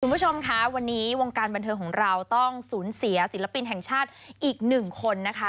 คุณผู้ชมค่ะวันนี้วงการบันเทิงของเราต้องสูญเสียศิลปินแห่งชาติอีกหนึ่งคนนะคะ